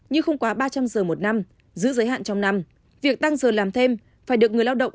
nhưng không quá ba trăm linh giờ một năm giữ giới hạn trong năm việc tăng giờ làm thêm phải được người lao động